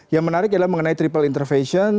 yang menarik adalah mengenai triple intervation